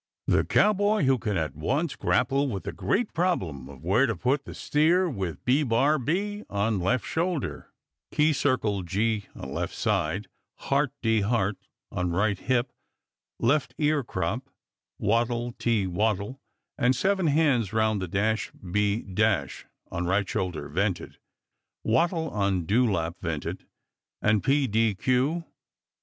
The cowboy who can at once grapple with the great problem of where to put the steer with "B bar B" on left shoulder, "Key circle G" on left side, "Heart D Heart" on right hip, left ear crop, wattle te wattle, and seven hands round with "Dash B Dash" on right shoulder "vented," wattle on dew lap vented, and "P. D.